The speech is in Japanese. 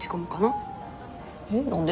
えっ何で？